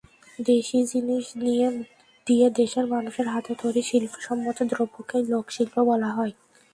দেশি জিনিস দিয়ে দেশের মানুষের হাতে তৈরি শিল্পসম্মত দ্রব্যকেই লোকশিল্প বলা হয়।